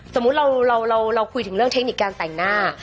สมมุติเราคุยถึงเรื่องเทคนิคการแต่งหน้า